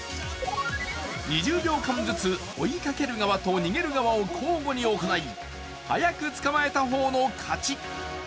２０秒間ずつ追いかける側と逃げる側を交互に行い、早く捕まえた方の勝ち。